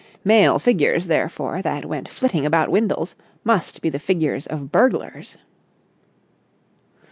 Male figures, therefore, that went flitting about Windles, must be the figures of burglars.